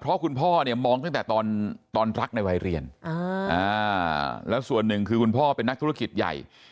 เพราะคุณพ่อเนี่ยมองตั้งแต่ตอนรักในวัยเรียนแล้วส่วนหนึ่งคือคุณพ่อเป็นนักธุรกิจใหญ่